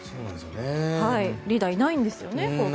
リーダー、いないんですよね後継者。